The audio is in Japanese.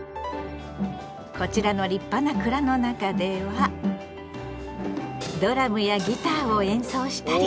こちらの立派な蔵の中ではドラムやギターを演奏したり。